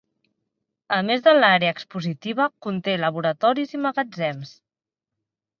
A més de l'àrea expositiva, conté laboratoris i magatzems.